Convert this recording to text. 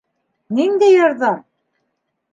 Ниндәй ярҙам?